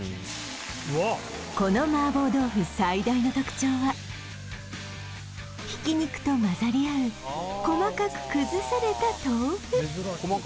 この麻婆豆腐最大の特徴はひき肉とまざり合う細かく崩された豆腐